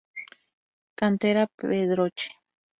Cantera Pedroche.